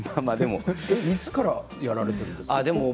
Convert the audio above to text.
いつからやられているんですか。